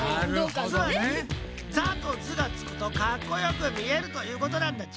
つまり「ザ」「ズ」がつくとかっこよくみえるということなんだっち。